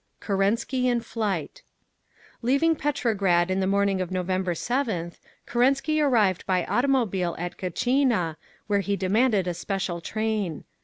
KERENSKY IN FLIGHT Leaving Petrograd in the morning of November 7th, Kerensky arrived by automobile at Gatchina, where he demanded a special train.